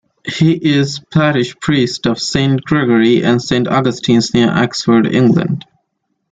He is parish priest of Saint Gregory and Saint Augustine's near Oxford, England.